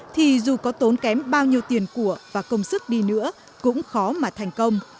thì dù có tốn kém bao nhiêu tiền của và công sức đi nữa cũng khó mà thành công